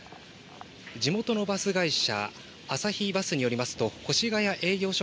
地元のバス会社、あさひバスによりますと、越谷営業所